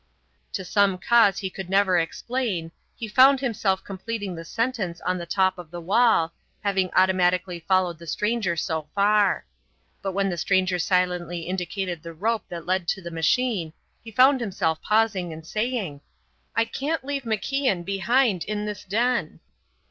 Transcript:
To some cause he could never explain he found himself completing the sentence on the top of the wall, having automatically followed the stranger so far. But when the stranger silently indicated the rope that led to the machine, he found himself pausing and saying: "I can't leave MacIan behind in this den."